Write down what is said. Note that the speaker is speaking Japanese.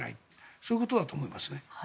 そういうことだと思いますね。